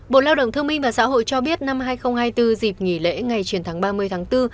bộ lao động thương minh và xã hội cho biết năm hai nghìn hai mươi bốn dịp nghỉ lễ ngày truyền thống ba mươi tháng bốn